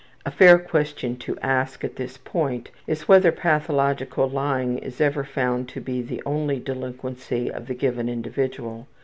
A fair question to ask at this point is whether pathological lying is ever found to be the only delinquency of the given individual.